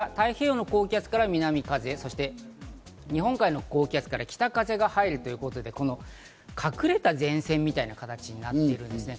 そうしますと、太平洋の高気圧から南風、日本海の高気圧から北風が入るということで、隠れた前線みたいな形になっているんですね。